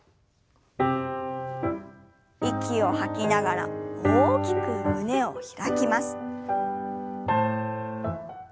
息を吐きながら大きく胸を開きます。